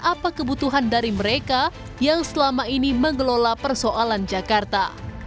apa kebutuhan dari mereka yang selama ini mengelola persoalan jakarta